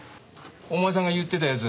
お前さんが言ってた奴